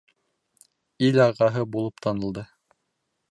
Ил ағаһы булып танылды.